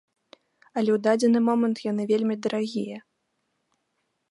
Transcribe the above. Але ў дадзены момант яны вельмі дарагія.